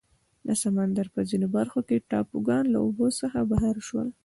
د سمندر په ځینو برخو کې ټاپوګان له اوبو څخه بهر شول.